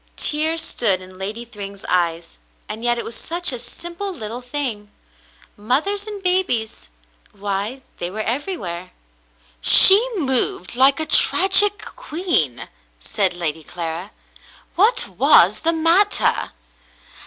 Tears stood in Lady Thryng's eyes, and yet it was such a simple little thing. Mothers and babies ? Why, they were everywhere. " She moved like a tragic queen," said Lady Clara. "What was the matter